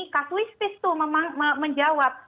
kak swiss fist tuh menjawab